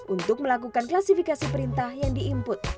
untuk melakukan klasifikasi perintah yang di input